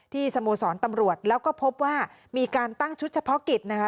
สโมสรตำรวจแล้วก็พบว่ามีการตั้งชุดเฉพาะกิจนะคะ